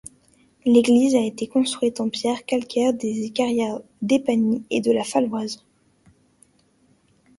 L'église a été construite en pierre calcaire des carrières d'Epagny et de La Faloise.